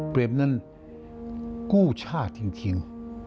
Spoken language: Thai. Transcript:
เปรมนั้นกู้ชาติจริง